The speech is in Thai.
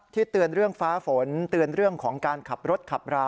เตือนเรื่องฟ้าฝนเตือนเรื่องของการขับรถขับรา